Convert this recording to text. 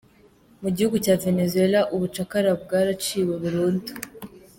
Mu gihugu cya Venezuela ubucakara bwaraciwe burundu.